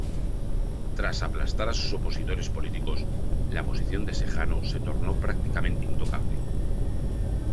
Tras aplastar a sus opositores políticos, la posición de Sejano se tornó prácticamente intocable.